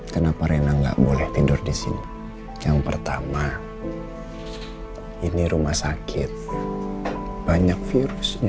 kenapa rena nggak boleh tidur di sini yang pertama ini rumah sakit banyak virusnya